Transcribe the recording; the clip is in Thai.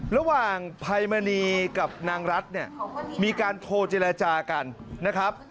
ระหว่างภัยมณีกับนางรัฐเนี่ยมีการโทรเจรจากันนะครับ